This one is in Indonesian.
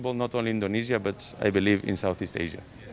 bukan hanya di indonesia tapi di asia tenggara